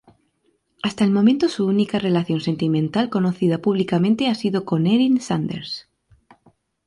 Hasta el momento su única relación sentimental conocida públicamente ha sido con Erin Sanders.